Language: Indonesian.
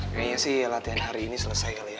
kayaknya sih latihan hari ini selesai kali ya